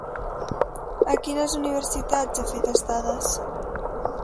A quines universitats ha fet estades?